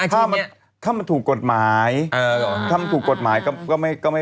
ถ้ามันถูกกฎหมายเอาเลยถ้ามันถูกกฎหมายก็ก็ไม่ก็